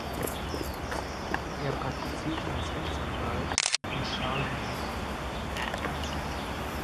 Er praktizierte als Rechtsanwalt in Charleroi.